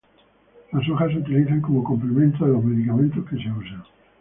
Las hojas se utilizan como complemento de los medicamentos que se usan.